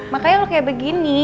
makanya lu kayak begini